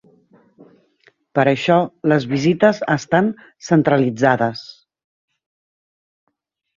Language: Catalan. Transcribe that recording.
Per això les visites estan centralitzades.